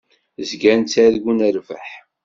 Zgan ttargun rrbeḥ.